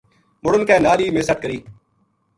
مُڑن کے نال ہی میں سٹ کری